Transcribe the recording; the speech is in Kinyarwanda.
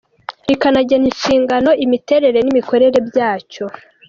rikanagena inshingano, imiterere, n‟imikorere byacyo ;